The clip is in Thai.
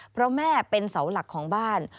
เพราะแม่เป็นเสาหลักของบ้าน